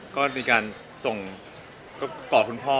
ก็มีการส่งต่อคุณพ่อ